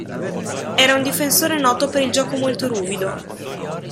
Era un difensore noto per il gioco molto ruvido.